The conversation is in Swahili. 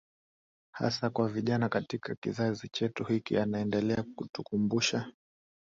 hasa kwa vijana katika kizazi chetu hiki Anandelea kutukumbusha